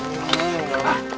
di mana pemilik warungnya